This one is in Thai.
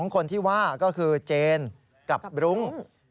คนที่ว่าก็คือเจนกับรุ้ง